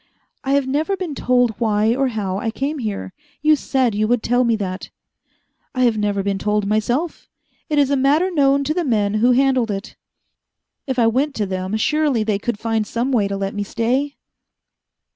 "I have never been told why or how I came here. You said you would tell me that." "I have never been told myself. It is a matter known to the men who handled it." "If I went to them, surely they could find some way to let me stay?"